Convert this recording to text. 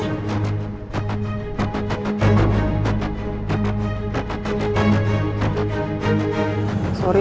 tunggu aku mau ngapain